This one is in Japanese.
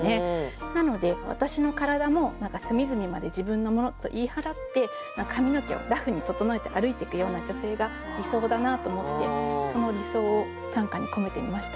なので私のからだも何かすみずみまで自分のものと言い払って髪の毛をラフに整えて歩いてくような女性がいそうだなと思ってその理想を短歌に込めてみました。